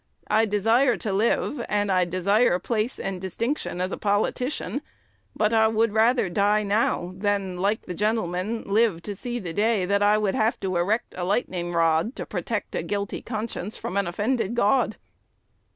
I desire to live, and I desire place and distinction as a politician; but I would rather die now, than, like the gentleman, live to see the day that I would have to erect a lightning rod to protect a guilty conscience from an offended God.'"